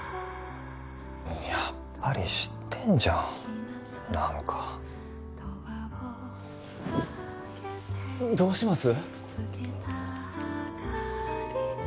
やっぱり知ってんじゃん何かどうします？